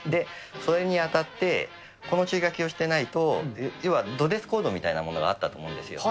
それにあたって、この注意書きをしてないと、要はドレスコードみたいなものがあったと思うんですよ。